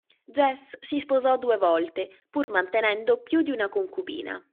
Jesse si sposò due volte, pur mantenendo più di una concubina.